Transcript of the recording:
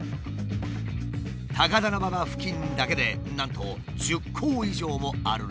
高田馬場付近だけでなんと１０校以上もあるらしい。